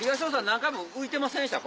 何回も浮いてませんでした？